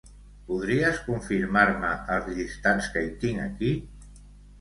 Podries confirmar-me els llistats que hi tinc aquí?